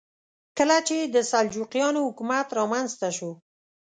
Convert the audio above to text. کله چې د سلجوقیانو حکومت رامنځته شو.